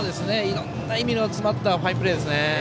いろんな意味の詰まったファインプレーですね。